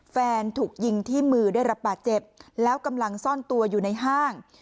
แฟนถูกยิงที่มือได้รับบาดเจ็บแล้วกำลังซ่อนตัวอยู่ในห้าง